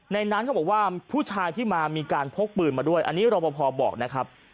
ในนั้นเขาบอกว่าผู้ชายที่มามีการพกปืนมาด้วยอันนี้รอปภบอกนะครับ